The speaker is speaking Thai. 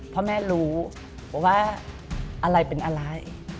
เพราะแม่รู้ว่าอะไรเป็นอะไร